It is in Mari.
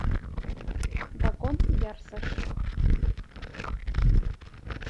Вагон ярсыш.